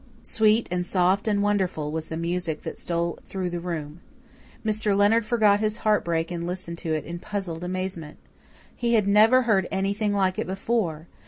Sweet and soft and wonderful was the music that stole through the room. Mr. Leonard forgot his heartbreak and listened to it in puzzled amazement. He had never heard anything like it before.